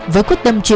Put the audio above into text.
với quyết tâm